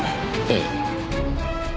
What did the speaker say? ええ。